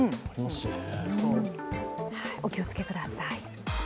お気をつけください。